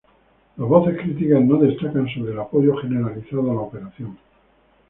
Las voces críticas no destacan sobre el apoyo generalizado a la operación.